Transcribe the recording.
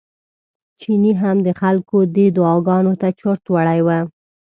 چيني هم د خلکو دې دعاګانو ته چورت وړی و.